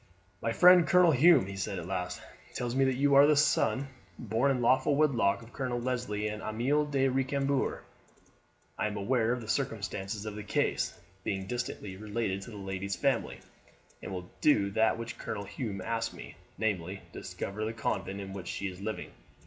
"My friend Colonel Hume," he said at last, "tells me that you are the son, born in lawful wedlock, of Colonel Leslie and Amelie de Recambours. I am aware of the circumstances of the case, being distantly related to the lady's family, and will do that which Colonel Hume asks me, namely, discover the convent in which she is living.